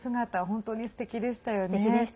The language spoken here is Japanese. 本当にすてきでしたよね。